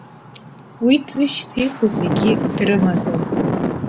Уи ӡыжьс иҟоу зегьы дрымаӡам.